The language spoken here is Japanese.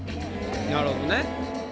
なるほどね。